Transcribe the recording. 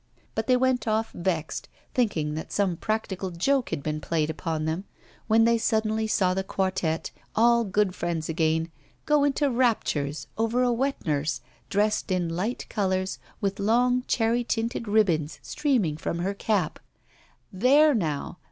But they went off vexed, thinking that some practical joke had been played upon them, when they suddenly saw the quartette, all good friends again, go into raptures over a wet nurse, dressed in light colours, with long cherry tinted ribbons streaming from her cap. There, now!